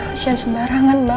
alisya sembarangan mbak